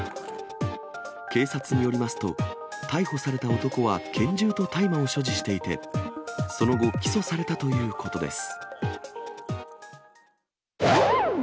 警察によりますと、逮捕された男は拳銃と大麻を所持していて、その後、起訴されたということです。